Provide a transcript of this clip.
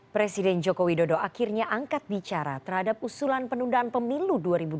presiden jokowi dodo akhirnya angkat bicara terhadap usulan pendundaan pemilu dua ribu dua puluh empat